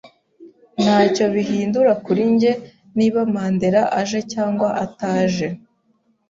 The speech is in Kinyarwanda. Ntacyo bihindura kuri njye niba Mandera aje cyangwa ataje.